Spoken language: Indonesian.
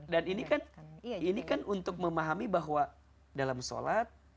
dan ini kan untuk memahami bahwa dalam sholat